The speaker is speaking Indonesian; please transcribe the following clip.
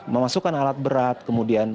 memasukkan alat berat kemudian